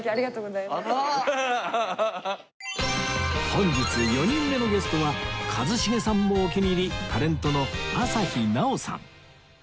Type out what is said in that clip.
本日４人目のゲストは一茂さんもお気に入りタレントの朝日奈央さん